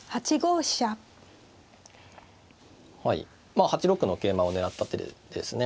はいまあ８六の桂馬を狙った手ですね。